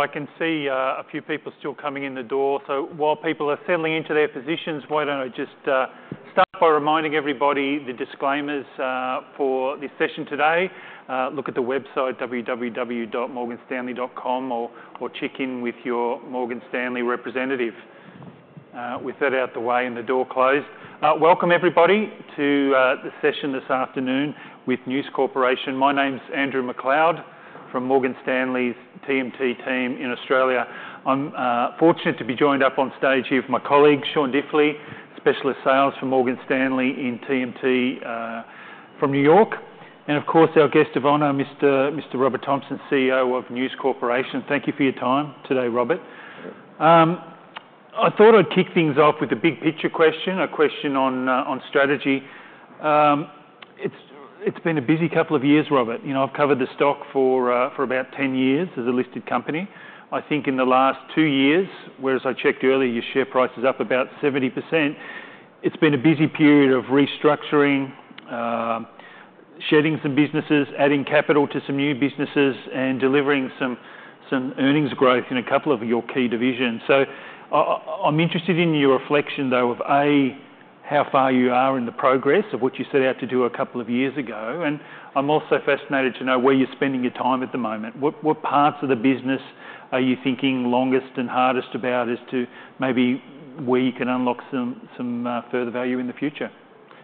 I can see a few people still coming in the door. So while people are settling into their positions, why don't I just start by reminding everybody the disclaimers for this session today? Look at the website, www.morganstanley.com, or check in with your Morgan Stanley representative. With that out of the way and the door closed, welcome everybody to the session this afternoon with News Corporation. My name's Andrew McLeod from Morgan Stanley's TMT team in Australia. I'm fortunate to be joined up on stage here with my colleague, Sean Diffley, Specialist Sales for Morgan Stanley in TMT from New York. And of course, our guest of honor, Mr. Robert Thomson, CEO of News Corporation. Thank you for your time today, Robert. I thought I'd kick things off with a big picture question, a question on strategy. It's been a busy couple of years, Robert. I've covered the stock for about 10 years as a listed company. I think in the last two years, whereas I checked earlier, your share price is up about 70%. It's been a busy period of restructuring, shedding some businesses, adding capital to some new businesses, and delivering some earnings growth in a couple of your key divisions. So I'm interested in your reflection, though, of A, how far you are in the progress of what you set out to do a couple of years ago. And I'm also fascinated to know where you're spending your time at the moment. What parts of the business are you thinking longest and hardest about as to maybe where you can unlock some further value in the future?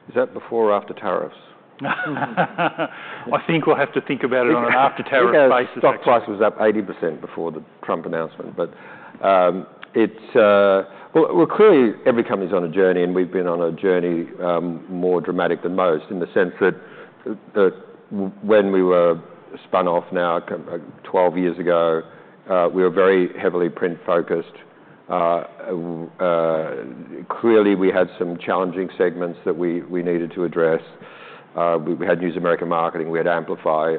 Is that before or after tariffs? I think we'll have to think about it on an after-tariff basis. Stock price was up 80% before the Trump announcement. But clearly, every company's on a journey, and we've been on a journey more dramatic than most in the sense that when we were spun off now 12 years ago, we were very heavily print-focused. Clearly, we had some challenging segments that we needed to address. We had News America Marketing. We had Amplify,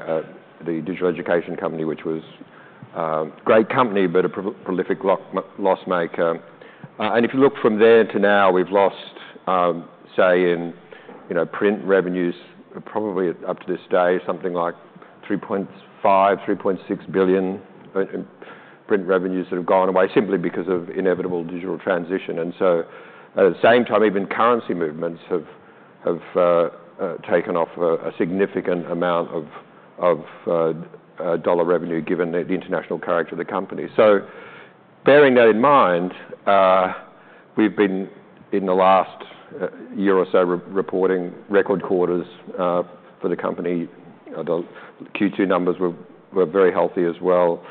the digital education company, which was a great company but a prolific loss maker. And if you look from there to now, we've lost, say, in print revenues, probably up to this day, something like $3.5 billion-$3.6 billion print revenues that have gone away simply because of inevitable digital transition. And so at the same time, even currency movements have taken off a significant amount of dollar revenue given the international character of the company. Bearing that in mind, we've been in the last year or so reporting record quarters for the company. Q2 numbers were very healthy as well.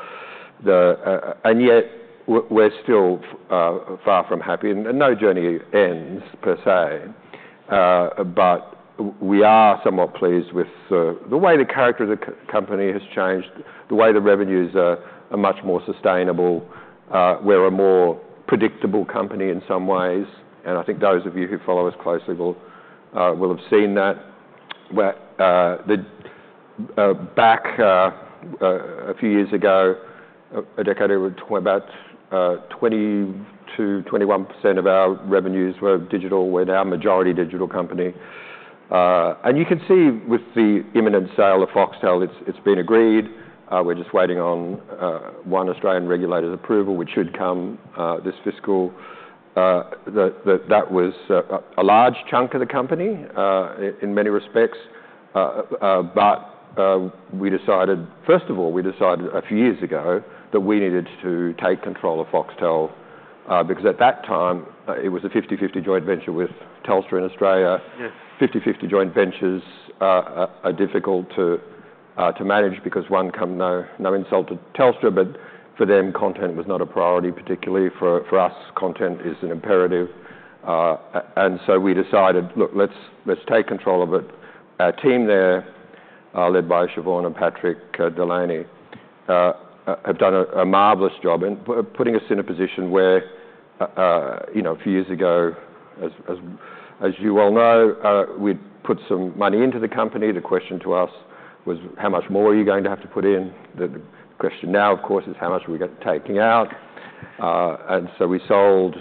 And yet we're still far from happy. And no journey ends per se. But we are somewhat pleased with the way the character of the company has changed, the way the revenues are much more sustainable. We're a more predictable company in some ways. And I think those of you who follow us closely will have seen that. Back a few years ago, a decade ago, we were talking about 20%-21% of our revenues were digital. We're now a majority digital company. And you can see with the imminent sale of Foxtel, it's been agreed. We're just waiting on one Australian regulator's approval, which should come this fiscal. That was a large chunk of the company in many respects. But first of all, we decided a few years ago that we needed to take control of Foxtel because at that time, it was a 50/50 joint venture with Telstra in Australia. 50/50 joint ventures are difficult to manage because one cannot insult Telstra, but for them, content was not a priority, particularly for us. Content is an imperative. And so we decided, look, let's take control of it. Our team there, led by Siobhan and Patrick Delany, have done a marvelous job in putting us in a position where a few years ago, as you well know, we'd put some money into the company. The question to us was, how much more are you going to have to put in? The question now, of course, is how much are we taking out? And so we sold,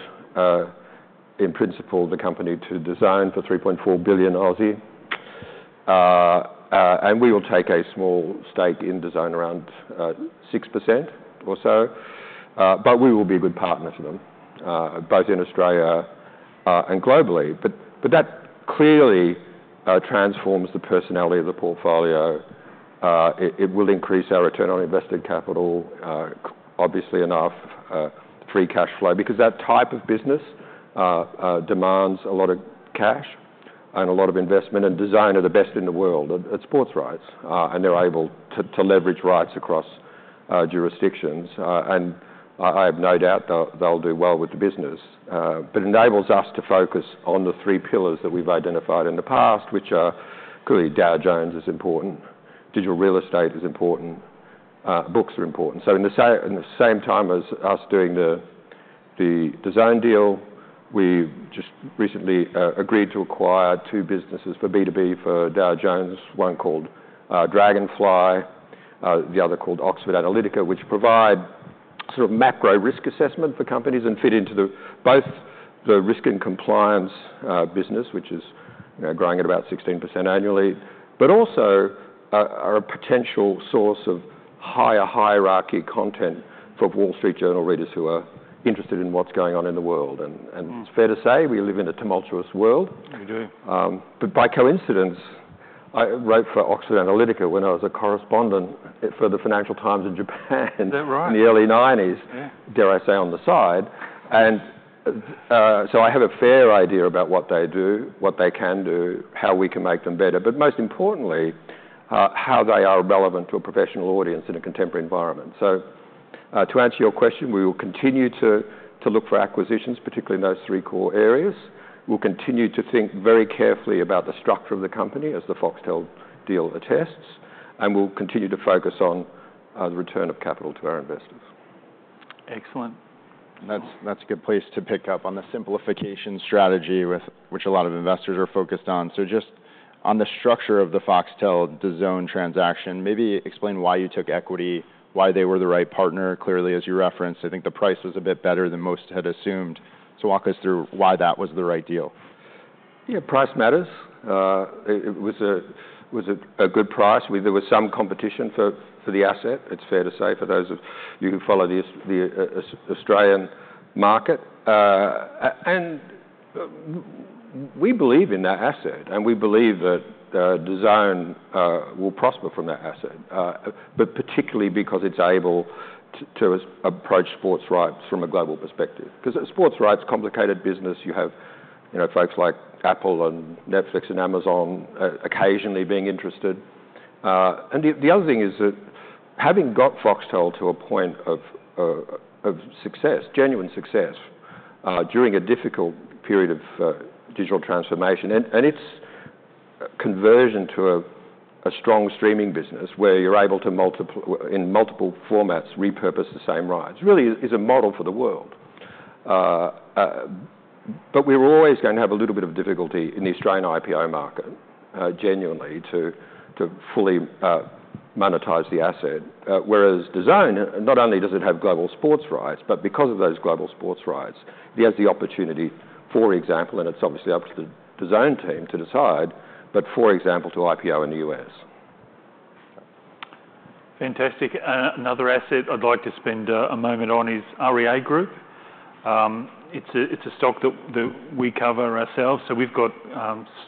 in principle, the company to DAZN for 3.4 billion. And we will take a small stake in DAZN, around 6% or so. But we will be a good partner to them, both in Australia and globally. But that clearly transforms the personality of the portfolio. It will increase our return on invested capital, obviously enough, free cash flow, because that type of business demands a lot of cash and a lot of investment. And DAZN are the best in the world at sports rights. And they're able to leverage rights across jurisdictions. And I have no doubt they'll do well with the business. But it enables us to focus on the three pillars that we've identified in the past, which are clearly Dow Jones is important, digital real estate is important, books are important. So in the same time as us doing the DAZN deal, we just recently agreed to acquire two businesses for B2B for Dow Jones, one called Dragonfly, the other called Oxford Analytica, which provide sort of macro risk assessment for companies and fit into both the risk and compliance business, which is growing at about 16% annually, but also are a potential source of higher hierarchy content for Wall Street Journal readers who are interested in what's going on in the world. And it's fair to say we live in a tumultuous world. You do. But by coincidence, I wrote for Oxford Analytica when I was a correspondent for the Financial Times in Japan in the early 1990s, dare I say on the side. And so I have a fair idea about what they do, what they can do, how we can make them better, but most importantly, how they are relevant to a professional audience in a contemporary environment. So to answer your question, we will continue to look for acquisitions, particularly in those three core areas. We'll continue to think very carefully about the structure of the company as the Foxtel deal attests. And we'll continue to focus on the return of capital to our investors. Excellent. That's a good place to pick up on the simplification strategy, which a lot of investors are focused on. So just on the structure of the Foxtel DAZN transaction, maybe explain why you took equity, why they were the right partner. Clearly, as you referenced, I think the price was a bit better than most had assumed. So walk us through why that was the right deal. Yeah, price matters. It was a good price. There was some competition for the asset, it's fair to say, for those of you who follow the Australian market. And we believe in that asset. And we believe that DAZN will prosper from that asset, but particularly because it's able to approach sports rights from a global perspective. Because sports rights, complicated business. You have folks like Apple and Netflix and Amazon occasionally being interested. And the other thing is that having got Foxtel to a point of success, genuine success, during a difficult period of digital transformation, and its conversion to a strong streaming business where you're able to, in multiple formats, repurpose the same rights, really is a model for the world. But we're always going to have a little bit of difficulty in the Australian IPO market, genuinely, to fully monetize the asset. Whereas DAZN, not only does it have global sports rights, but because of those global sports rights, it has the opportunity, for example, and it's obviously up to the DAZN team to decide, but for example, to IPO in the U.S. Fantastic. Another asset I'd like to spend a moment on is REA Group. It's a stock that we cover ourselves. So we've got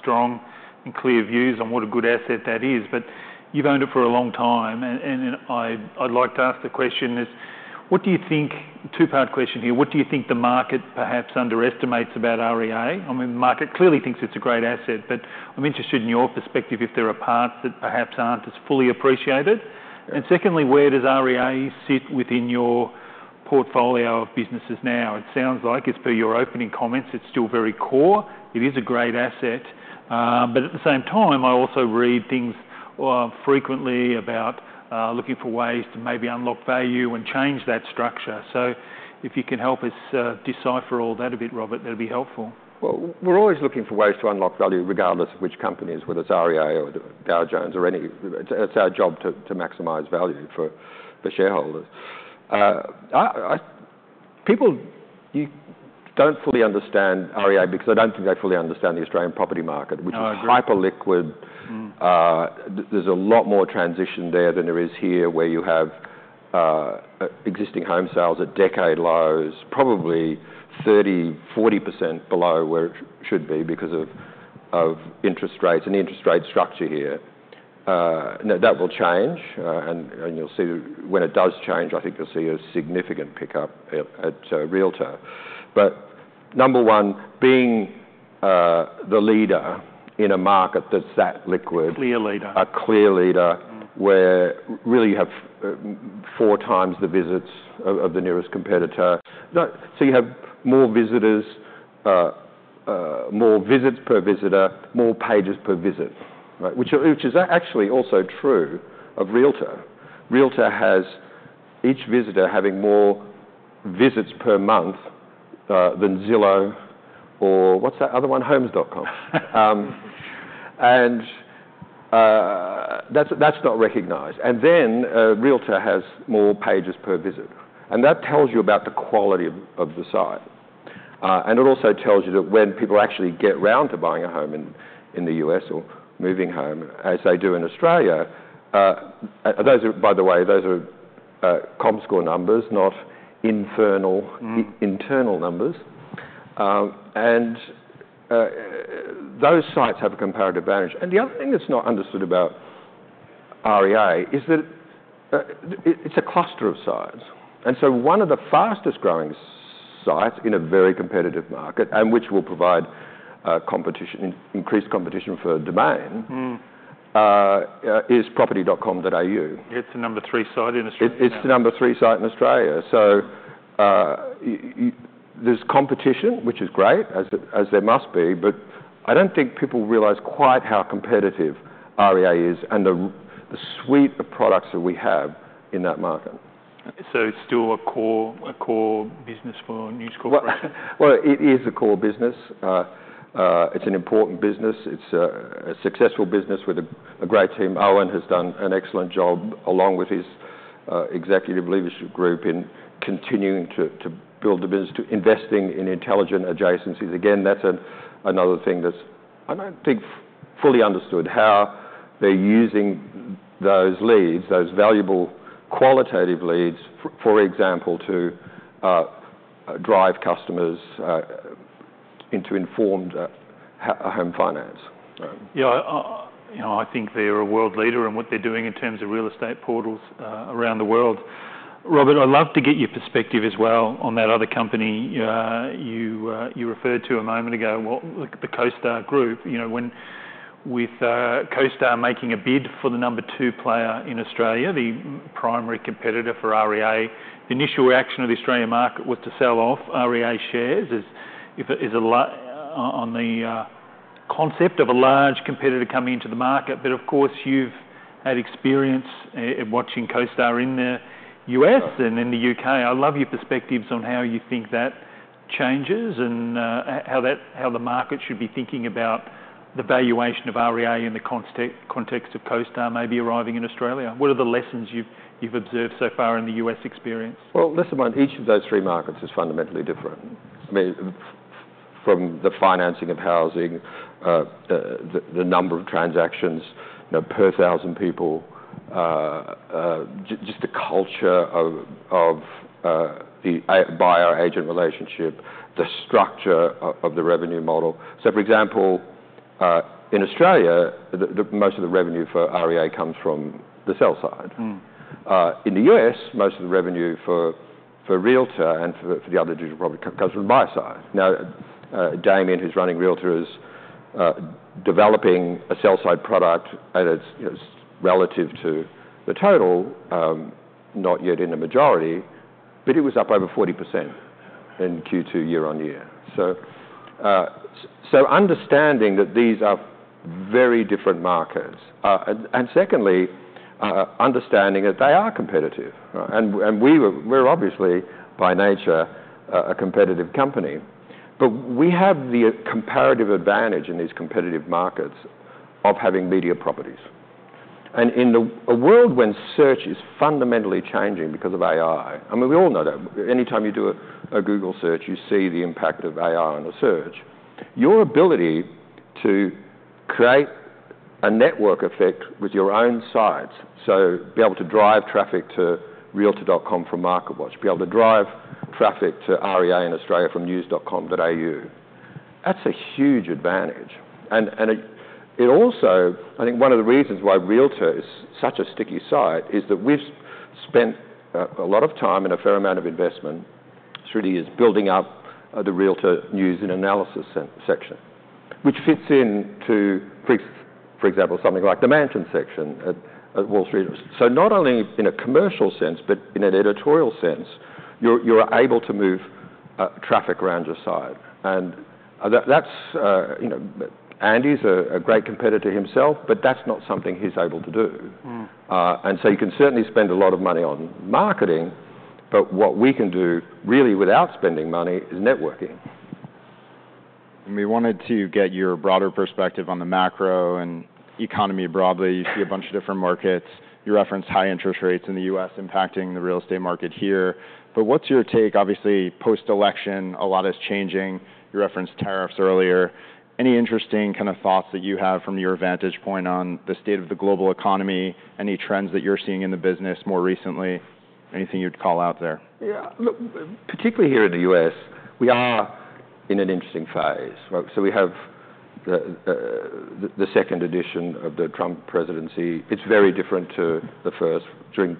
strong and clear views on what a good asset that is. But you've owned it for a long time. And I'd like to ask the question, what do you think, two-part question here, what do you think the market perhaps underestimates about REA? I mean, the market clearly thinks it's a great asset. But I'm interested in your perspective if there are parts that perhaps aren't as fully appreciated. And secondly, where does REA sit within your portfolio of businesses now? It sounds like, as per your opening comments, it's still very core. It is a great asset. But at the same time, I also read things frequently about looking for ways to maybe unlock value and change that structure. So if you can help us decipher all that a bit, Robert, that'd be helpful. We're always looking for ways to unlock value regardless of which companies, whether it's REA or Dow Jones or any. It's our job to maximize value for shareholders. People don't fully understand REA because I don't think they fully understand the Australian property market, which is hyperliquid. There's a lot more transaction there than there is here, where you have existing home sales at decade lows, probably 30%-40% below where it should be because of interest rates and the interest rate structure here. That will change. You'll see when it does change. I think you'll see a significant pickup at Realtor. Number one, being the leader in a market that's that liquid. Clear leader. A clear leader where really you have four times the visits of the nearest competitor. So you have more visitors, more visits per visitor, more pages per visit, which is actually also true of Realtor. Realtor has each visitor having more visits per month than Zillow or what's that other one, Homes.com? And that's not recognized. And then Realtor has more pages per visit. And that tells you about the quality of the site. And it also tells you that when people actually get round to buying a home in the U.S. or moving home, as they do in Australia, by the way, those are Comscore numbers, not internal numbers. And those sites have a comparative advantage. And the other thing that's not understood about REA is that it's a cluster of sites. One of the fastest growing sites in a very competitive market, and which will provide increased competition for demand, is property.com.au. It's the number three site in Australia. It's the number three site in Australia. So there's competition, which is great, as there must be. But I don't think people realize quite how competitive REA is and the suite of products that we have in that market. So it's still a core business for News Corp? It is a core business. It's an important business. It's a successful business with a great team. Owen has done an excellent job along with his executive leadership group in continuing to build the business, to investing in intelligent adjacencies. Again, that's another thing that I don't think fully understood, how they're using those leads, those valuable qualitative leads, for example, to drive customers into informed home finance. Yeah, I think they're a world leader in what they're doing in terms of real estate portals around the world. Robert, I'd love to get your perspective as well on that other company you referred to a moment ago, the CoStar Group. When CoStar making a bid for the number two player in Australia, the primary competitor for REA, the initial reaction of the Australian market was to sell off REA shares on the concept of a large competitor coming into the market. But of course, you've had experience watching CoStar in the U.S. and in the U.K. I'd love your perspectives on how you think that changes and how the market should be thinking about the valuation of REA in the context of CoStar maybe arriving in Australia. What are the lessons you've observed so far in the U.S. experience? Well, listen, each of those three markets is fundamentally different. I mean, from the financing of housing, the number of transactions per 1,000 people, just the culture of the buyer-agent relationship, the structure of the revenue model. So for example, in Australia, most of the revenue for REA comes from the sell side. In the U.S., most of the revenue for Realtor and for the other digital property comes from the buyer side. Now, Damian, who's running Realtor, is developing a sell side product that's relative to the total, not yet in the majority, but it was up over 40% in Q2 year-on-year. So understanding that these are very different markets. And secondly, understanding that they are competitive. And we're obviously, by nature, a competitive company. But we have the comparative advantage in these competitive markets of having media properties. And in a world when search is fundamentally changing because of AI, I mean, we all know that. Anytime you do a Google search, you see the impact of AI on the search. Your ability to create a network effect with your own sites, so be able to drive traffic to realtor.com from MarketWatch, be able to drive traffic to REA in Australia from news.com.au, that's a huge advantage. And it also, I think one of the reasons why Realtor is such a sticky site is that we've spent a lot of time and a fair amount of investment through the years building up the Realtor news and analysis section, which fits into, for example, something like the Mansion section at the Wall Street Journal. So not only in a commercial sense, but in an editorial sense, you're able to move traffic around your site. Andy's a great competitor himself, but that's not something he's able to do. And so you can certainly spend a lot of money on marketing. But what we can do really without spending money is networking. We wanted to get your broader perspective on the macro and economy broadly. You see a bunch of different markets. You referenced high interest rates in the U.S. impacting the real estate market here. But what's your take? Obviously, post-election, a lot is changing. You referenced tariffs earlier. Any interesting kind of thoughts that you have from your vantage point on the state of the global economy? Any trends that you're seeing in the business more recently? Anything you'd call out there? Yeah, particularly here in the U.S., we are in an interesting phase. So we have the second edition of the Trump presidency. It's very different to the first. During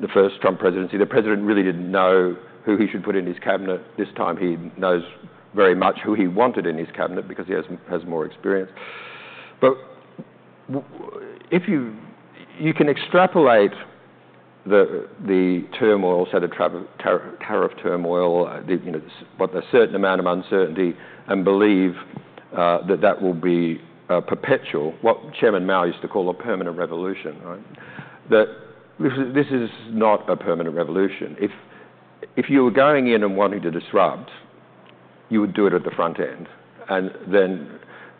the first Trump presidency, the president really didn't know who he should put in his cabinet. This time, he knows very much who he wanted in his cabinet because he has more experience. But if you can extrapolate the turmoil, say, the tariff turmoil, with the certain amount of uncertainty, and believe that that will be perpetual, what Chairman Mao used to call a permanent revolution, that this is not a permanent revolution. If you were going in and wanting to disrupt, you would do it at the front end. And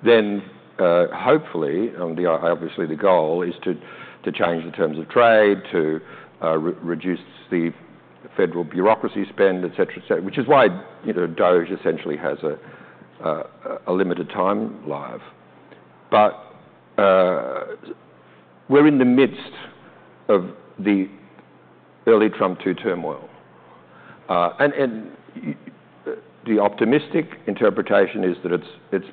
then, hopefully, obviously, the goal is to change the terms of trade, to reduce the federal bureaucracy spend, et cetera, et cetera, which is why DOGE essentially has a limited time live. But we're in the midst of the early Trump 2 turmoil. The optimistic interpretation is that it's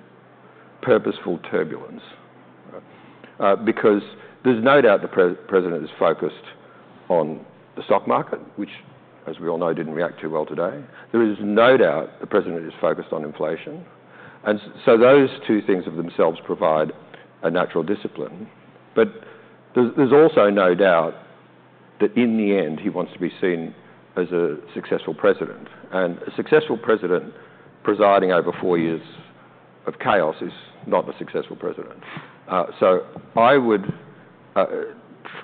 purposeful turbulence. Because there's no doubt the president is focused on the stock market, which, as we all know, didn't react too well today. There is no doubt the president is focused on inflation. Those two things of themselves provide a natural discipline. But there's also no doubt that in the end, he wants to be seen as a successful president. A successful president presiding over four years of chaos is not a successful president. I would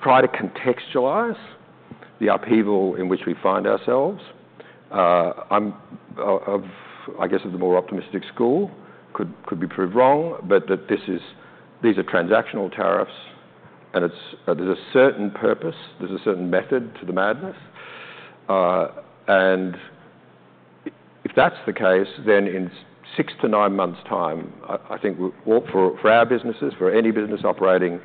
try to contextualize the upheaval in which we find ourselves. I guess the more optimistic school could be proved wrong, but that these are transactional tariffs. And there's a certain purpose. There's a certain method to the madness. And if that's the case, then in six to nine months' time, I think for our businesses, for any business operating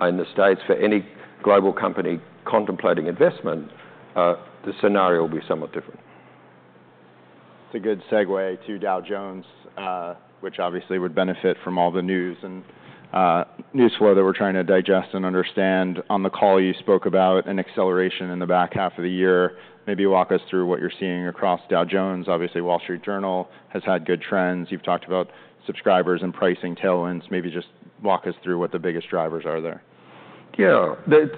in the States, for any global company contemplating investment, the scenario will be somewhat different. It's a good segue to Dow Jones, which obviously would benefit from all the news and news flow that we're trying to digest and understand. On the call, you spoke about an acceleration in the back half of the year. Maybe walk us through what you're seeing across Dow Jones. Obviously, Wall Street Journal has had good trends. You've talked about subscribers and pricing tailwinds. Maybe just walk us through what the biggest drivers are there. Yeah, the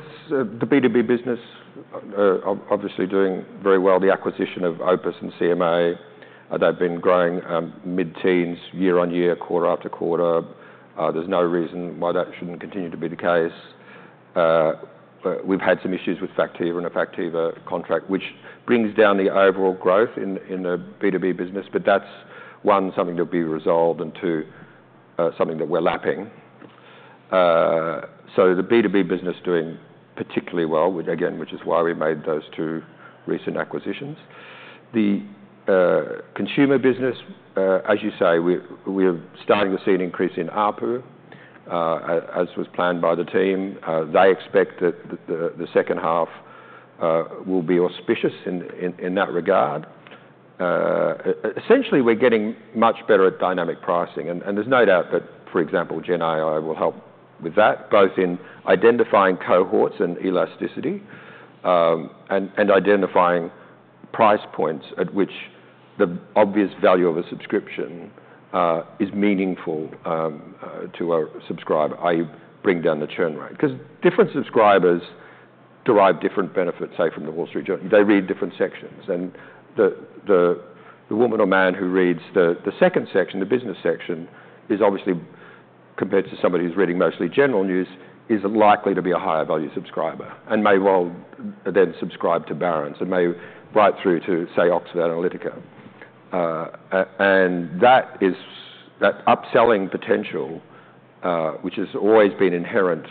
B2B business obviously doing very well. The acquisition of OPIS and CMA, they've been growing mid-teens year-on-year, quarter after quarter. There's no reason why that shouldn't continue to be the case. We've had some issues with Factiva and a Factiva contract, which brings down the overall growth in the B2B business. But that's, one, something to be resolved, and two, something that we're lapping. So the B2B business doing particularly well, again, which is why we made those two recent acquisitions. The consumer business, as you say, we're starting to see an increase in ARPU, as was planned by the team. They expect that the second half will be auspicious in that regard. Essentially, we're getting much better at dynamic pricing. And there's no doubt that, for example, GenAI will help with that, both in identifying cohorts and elasticity and identifying price points at which the obvious value of a subscription is meaningful to a subscriber, i.e., bring down the churn rate. Because different subscribers derive different benefits, say, from the Wall Street Journal. They read different sections. And the woman or man who reads the second section, the business section, is obviously, compared to somebody who's reading mostly general news, is likely to be a higher value subscriber and may well then subscribe to Barron's and may right through to, say, Oxford Analytica. And that upselling potential, which has always been inherent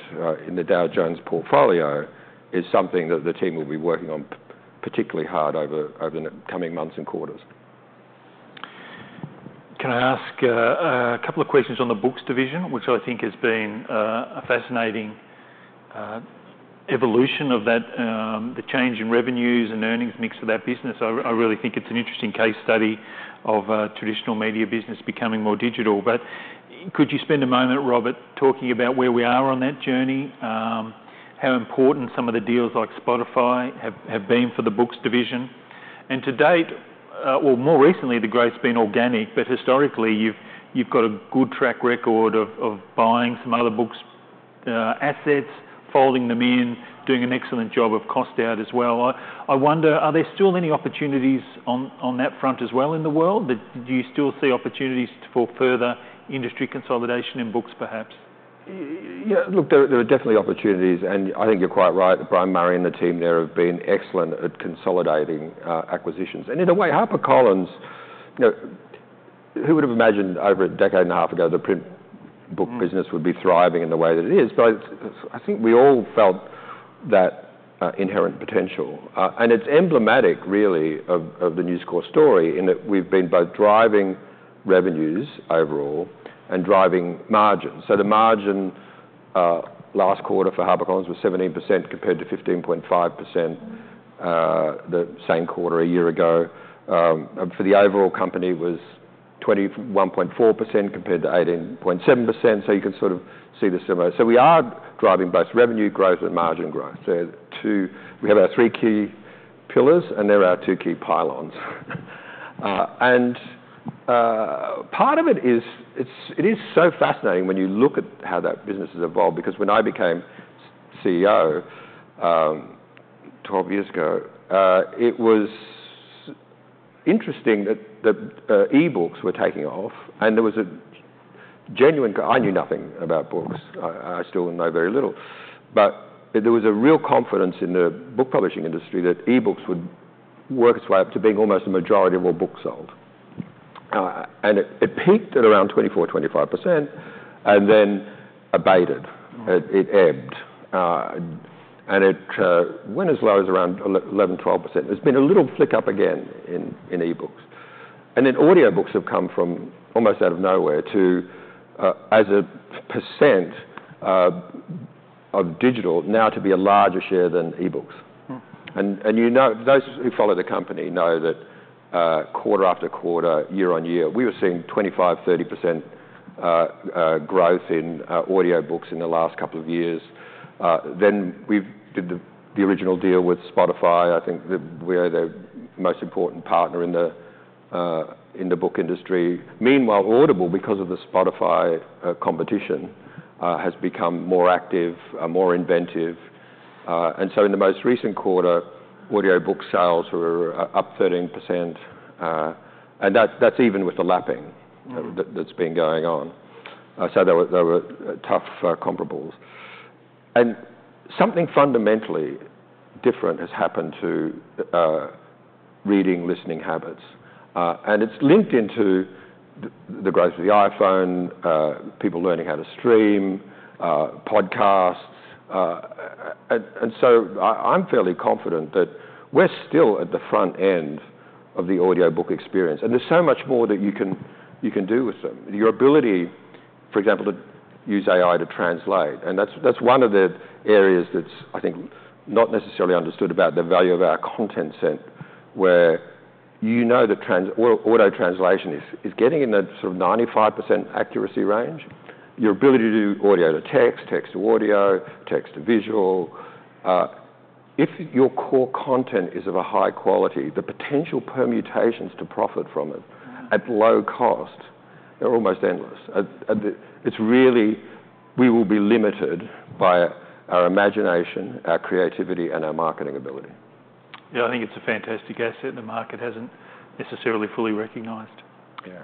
in the Dow Jones portfolio, is something that the team will be working on particularly hard over the coming months and quarters. Can I ask a couple of questions on the books division, which I think has been a fascinating evolution of the change in revenues and earnings mix of that business? I really think it's an interesting case study of traditional media business becoming more digital. But could you spend a moment, Robert, talking about where we are on that journey, how important some of the deals like Spotify have been for the books division? And to date, or more recently, the growth's been organic. But historically, you've got a good track record of buying some other books assets, folding them in, doing an excellent job of cost out as well. I wonder, are there still any opportunities on that front as well in the world? Do you still see opportunities for further industry consolidation in books, perhaps? Yeah, look, there are definitely opportunities. And I think you're quite right. Brian Murray and the team there have been excellent at consolidating acquisitions. And in a way, HarperCollins, who would have imagined over a decade and a half ago the print book business would be thriving in the way that it is? But I think we all felt that inherent potential. And it's emblematic, really, of the News Corp story in that we've been both driving revenues overall and driving margins. So the margin last quarter for HarperCollins was 17% compared to 15.5% the same quarter a year ago. For the overall company, it was 21.4% compared to 18.7%. So you can sort of see the similar. So we are driving both revenue growth and margin growth. So we have our three key pillars, and they're our two key pylons. And part of it is it is so fascinating when you look at how that business has evolved. Because when I became CEO 12 years ago, it was interesting that e-books were taking off. And there was a genuine I knew nothing about books. I still know very little. But there was a real confidence in the book publishing industry that e-books would work its way up to being almost the majority of all books sold. And it peaked at around 24%, 25%, and then abated. It ebbed. And it went as low as around 11%, 12%. There's been a little flick up again in e-books. And then audiobooks have come from almost out of nowhere to, as a percent of digital, now to be a larger share than e-books. And those who follow the company know that quarter after quarter, year-on-year, we were seeing 25%, 30% growth in audiobooks in the last couple of years. Then we did the original deal with Spotify. I think we are the most important partner in the book industry. Meanwhile, Audible, because of the Spotify competition, has become more active, more inventive. And so in the most recent quarter, audiobook sales were up 13%. And that's even with the lapping that's been going on. So they were tough comparables. And something fundamentally different has happened to reading, listening habits. And it's linked into the growth of the iPhone, people learning how to stream, podcasts. And so I'm fairly confident that we're still at the front end of the audiobook experience. And there's so much more that you can do with them. Your ability, for example, to use AI to translate. That's one of the areas that's, I think, not necessarily understood about the value of our content center, where you know that auto translation is getting in the sort of 95% accuracy range. Your ability to do audio to text, text to audio, text to visual. If your core content is of a high quality, the potential permutations to profit from it at low cost, they're almost endless. It's really we will be limited by our imagination, our creativity, and our marketing ability. Yeah, I think it's a fantastic asset the market hasn't necessarily fully recognized. Yeah.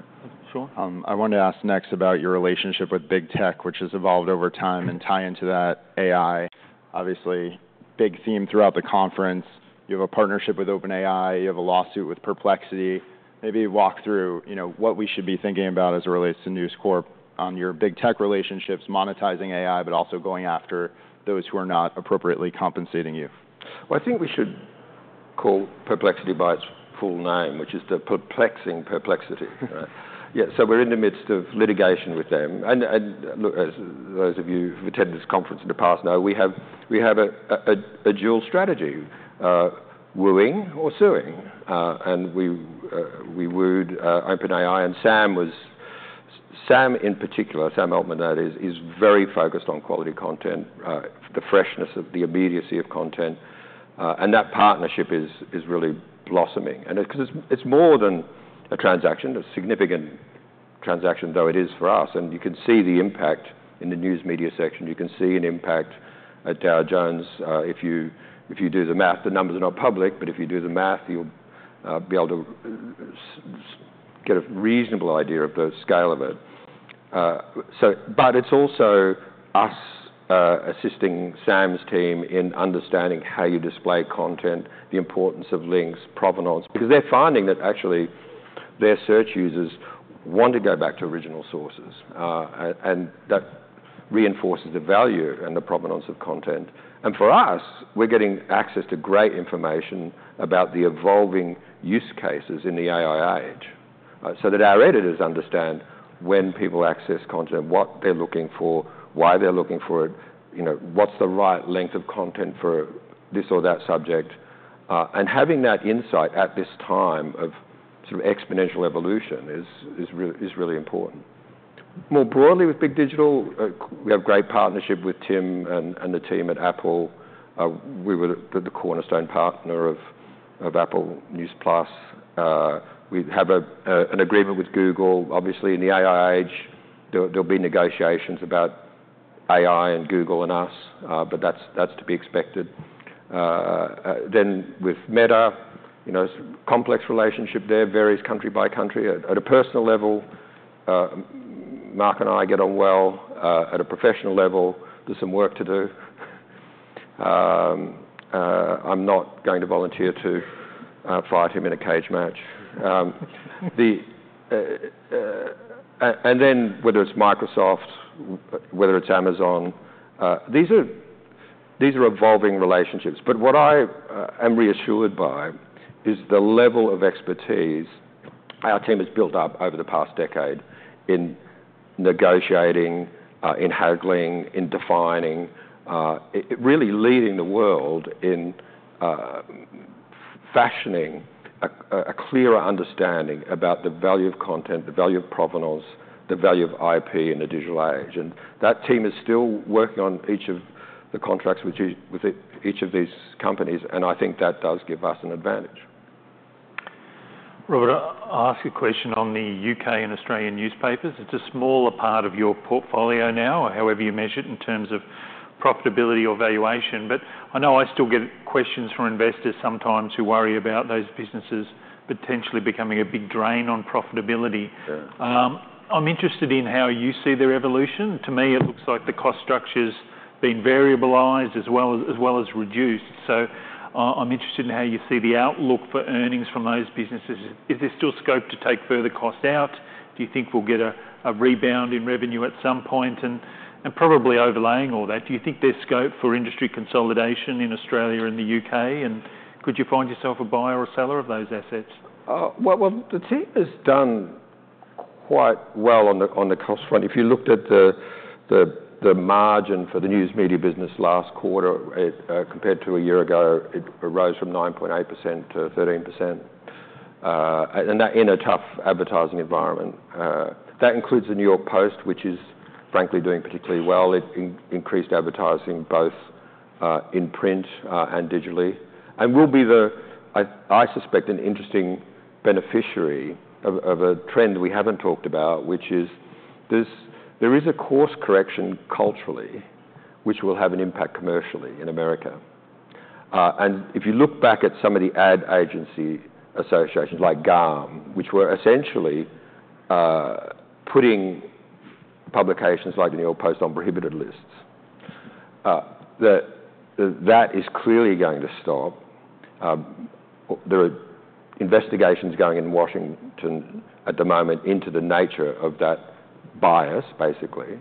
Sure. I wanted to ask next about your relationship with Big Tech, which has evolved over time, and tie into that AI. Obviously, big theme throughout the conference. You have a partnership with OpenAI. You have a lawsuit with Perplexity. Maybe walk through what we should be thinking about as it relates to News Corp on your Big Tech relationships, monetizing AI, but also going after those who are not appropriately compensating you. Well, I think we should call Perplexity by its full name, which is the perplexing Perplexity. Yeah, so we're in the midst of litigation with them. And those of you who've attended this conference in the past know we have a dual strategy: wooing or suing. And we wooed OpenAI. And Sam in particular, Sam Altman, that is, is very focused on quality content, the freshness, the immediacy of content. And that partnership is really blossoming. And because it's more than a transaction, a significant transaction, though it is for us. And you can see the impact in the news media section. You can see an impact at Dow Jones. If you do the math, the numbers are not public. But if you do the math, you'll be able to get a reasonable idea of the scale of it. But it's also us assisting Sam's team in understanding how you display content, the importance of links, provenance. Because they're finding that actually their search users want to go back to original sources. And that reinforces the value and the provenance of content. And for us, we're getting access to great information about the evolving use cases in the AI age. So that our editors understand when people access content, what they're looking for, why they're looking for it, what's the right length of content for this or that subject. And having that insight at this time of sort of exponential evolution is really important. More broadly, with Big Digital, we have a great partnership with Tim and the team at Apple. We were the cornerstone partner of Apple News+. We have an agreement with Google. Obviously, in the AI age, there'll be negotiations about AI and Google and us, but that's to be expected, then with Meta, complex relationship there, varies country by country. At a personal level, Mark and I get on well. At a professional level, there's some work to do. I'm not going to volunteer to fight him in a cage match, and then whether it's Microsoft, whether it's Amazon, these are evolving relationships, but what I am reassured by is the level of expertise our team has built up over the past decade in negotiating, in haggling, in defining, really leading the world in fashioning a clearer understanding about the value of content, the value of provenance, the value of IP in the digital age, and that team is still working on each of the contracts with each of these companies, and I think that does give us an advantage. Robert, I'll ask you a question on the U.K. and Australian newspapers. It's a smaller part of your portfolio now, however you measure it, in terms of profitability or valuation. But I know I still get questions from investors sometimes who worry about those businesses potentially becoming a big drain on profitability. I'm interested in how you see their evolution. To me, it looks like the cost structure's been variabilized as well as reduced. So I'm interested in how you see the outlook for earnings from those businesses. Is there still scope to take further cost out? Do you think we'll get a rebound in revenue at some point? And probably overlaying all that, do you think there's scope for industry consolidation in Australia and the U.K.? And could you find yourself a buyer or seller of those assets? The team has done quite well on the cost front. If you looked at the margin for the news media business last quarter compared to a year ago, it rose from 9.8% to 13%. That in a tough advertising environment. That includes the New York Post, which is frankly doing particularly well. It increased advertising both in print and digitally. It will be, I suspect, an interesting beneficiary of a trend we haven't talked about, which is there is a course correction culturally, which will have an impact commercially in America. If you look back at some of the ad agency associations like GARM, which were essentially putting publications like the New York Post on prohibited lists, that is clearly going to stop. There are investigations going in Washington at the moment into the nature of that bias, basically.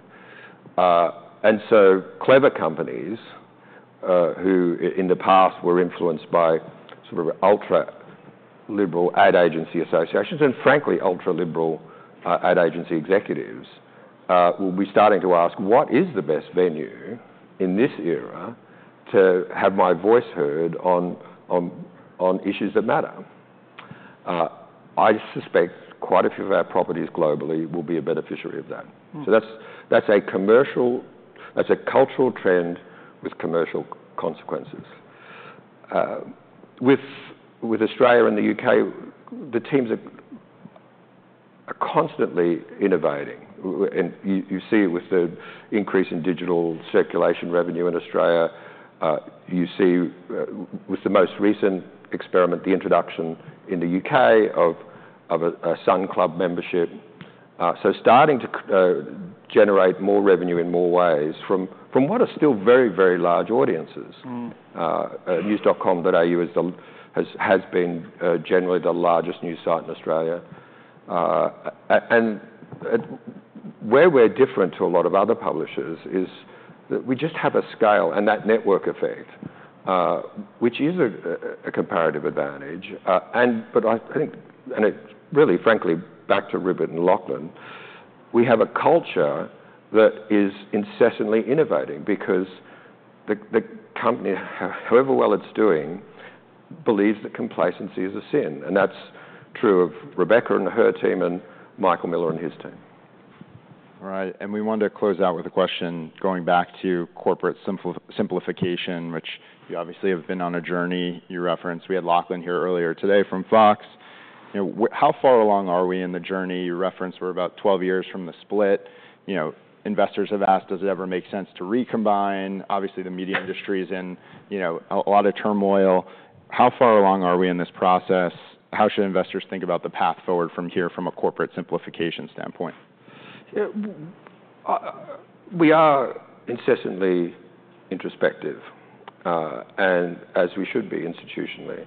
Clever companies who in the past were influenced by sort of ultra-liberal ad agency associations and frankly ultra-liberal ad agency executives will be starting to ask, what is the best venue in this era to have my voice heard on issues that matter? I suspect quite a few of our properties globally will be a beneficiary of that. That's a cultural trend with commercial consequences. With Australia and the U.K., the teams are constantly innovating. You see with the increase in digital circulation revenue in Australia. You see with the most recent experiment, the introduction in the U.K. of a Sun Club membership. Starting to generate more revenue in more ways from what are still very, very large audiences. news.com.au has been generally the largest news site in Australia. Where we're different to a lot of other publishers is that we just have a scale and that network effect, which is a comparative advantage. But I think, and really, frankly, back to Rupert and Lachlan, we have a culture that is incessantly innovating. Because the company, however well it's doing, believes that complacency is a sin. And that's true of Rebekah and her team and Michael Miller and his team. All right. And we wanted to close out with a question going back to corporate simplification, which you obviously have been on a journey you referenced. We had Lachlan here earlier today from Fox. How far along are we in the journey? You referenced we're about 12 years from the split. Investors have asked, does it ever make sense to recombine? Obviously, the media industry is in a lot of turmoil. How far along are we in this process? How should investors think about the path forward from here from a corporate simplification standpoint? We are incessantly introspective, and as we should be institutionally.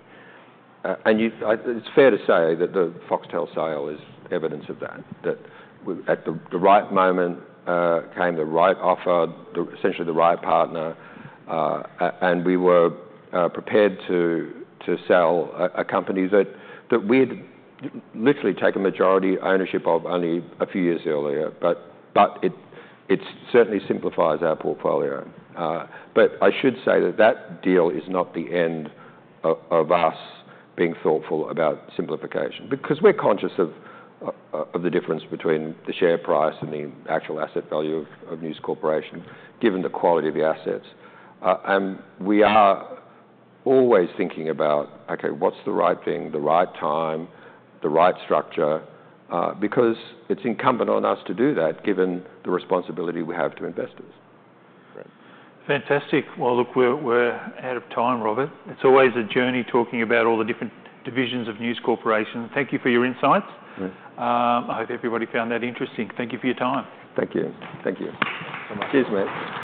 It's fair to say that the Foxtel sale is evidence of that, that at the right moment came the right offer, essentially the right partner. We were prepared to sell a company that we had literally taken majority ownership of only a few years earlier. It certainly simplifies our portfolio. I should say that that deal is not the end of us being thoughtful about simplification. We're conscious of the difference between the share price and the actual asset value of News Corporation, given the quality of the assets. We are always thinking about, OK, what's the right thing, the right time, the right structure? It's incumbent on us to do that, given the responsibility we have to investors. Fantastic. Well, look, we're out of time, Robert. It's always a journey talking about all the different divisions of News Corporation. Thank you for your insights. I hope everybody found that interesting. Thank you for your time. Thank you. Thank you. Cheers, mate.